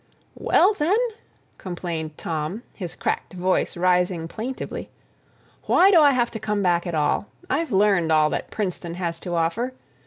"Well, then," complained Tom, his cracked voice rising plaintively, "why do I have to come back at all? I've learned all that Princeton has to offer.